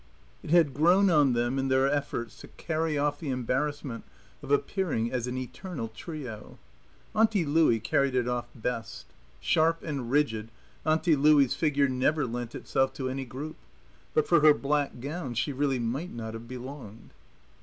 It had grown on them in their efforts to carry off the embarrassment of appearing as an eternal trio. Auntie Louie carried it off best. Sharp and rigid, Auntie Louie's figure never lent itself to any group. But for her black gown she really might not have belonged.